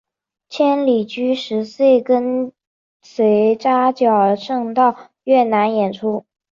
千里驹十五岁跟随扎脚胜到越南演出。